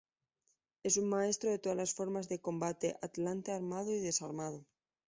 Es un maestro de todas las formas de combate atlante armado y desarmado.